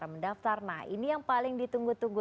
mendaftar nah ini yang paling ditunggu tunggu